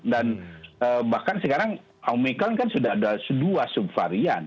dan bahkan sekarang omicron kan sudah ada dua sub varian